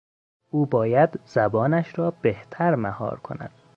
او باید زبانش را بهتر مهار کند.